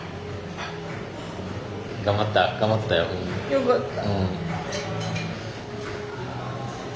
よかった。